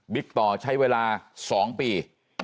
บิคตอร์ใช้เวลา๒ปี